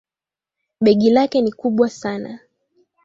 Begi lake ni kubwa sana